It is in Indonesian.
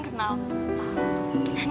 aku mau jalan